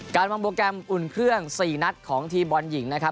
การวางโปรแกรมอุ่นเครื่อง๔นัดของทีมบอลหญิงนะครับ